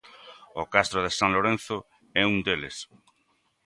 O castro de San Lourenzo é un deles.